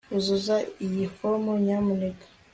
Uzuza iyi fomu nyamuneka